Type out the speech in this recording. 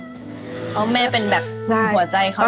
เพราะแม่เป็นแบบหัวใจเขา